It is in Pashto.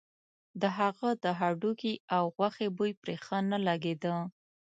د هغه د هډوکي او غوښې بوی پرې ښه نه لګېده.